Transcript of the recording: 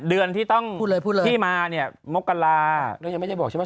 เดือนที่ต้องพูดเลยพูดเลยที่มาเนี่ยมกราแล้วยังไม่ได้บอกใช่ไหม